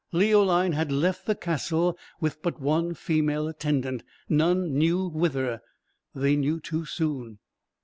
Leoline had left the castle with but one female attendant; none knew whither; they knew too soon.